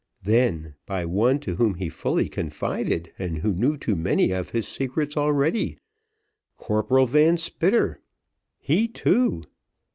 Then by one to whom he fully confided, and who knew too many of his secrets already Corporal Van Spitter he too!